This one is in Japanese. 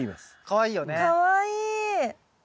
かわいい！